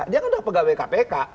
dia kan udah pegawai kpk